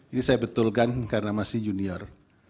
ini saya betulkan karena masih junior